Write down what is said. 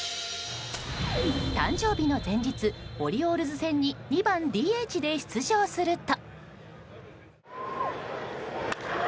誕生日の前日、オリオールズ戦に２番ＤＨで出場すると。